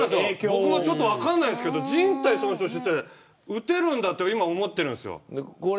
僕も、ちょっと分からないんですけど靱帯損傷してて打てるんだと思っているんです。